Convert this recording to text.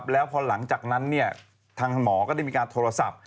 แล้วพอหลังจากนั้นทางหมอก็ได้มีการโทรศัพท์